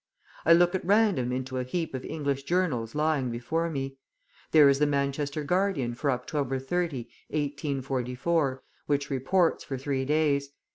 I look at random into a heap of English journals lying before me; there is the Manchester Guardian for October 30, 1844, which reports for three days.